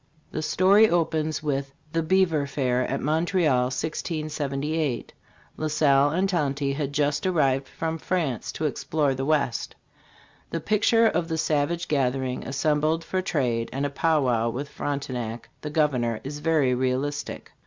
The story opens with the "Beaver Fair" at Montreal, 1678. La Salle and Tonty had just arrived from France to explore the West. The picture of the savage gathering assembled for trade and a pow wow with Fronte nac, the governor, is very realistic.